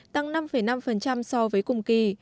tăng năm năm so với cùng kỳ